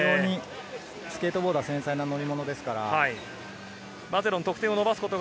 スケートボードは非常に繊細な乗り物ですから。